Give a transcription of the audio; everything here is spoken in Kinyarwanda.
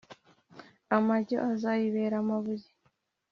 amajyo azayibera amabuye.